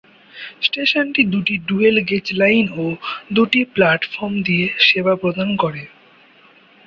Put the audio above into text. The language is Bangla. স্টেশনটি দুটি ডুয়েল গেজ লাইন ও দুটি প্লাটফর্ম দিয়ে সেবা প্রদান করে।